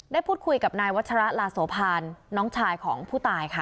ได้พูดคุยกับนายวัชระลาโสภานน้องชายของผู้ตายค่ะ